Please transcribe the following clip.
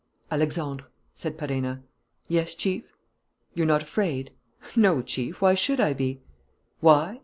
"Alexandre," said Perenna. "Yes, Chief?" "You're not afraid?" "No, Chief. Why should I be?" "Why?